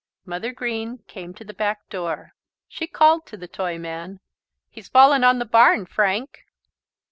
Mother Green came to the back door. She called to the Toyman: "He's fallen on the barn, Frank."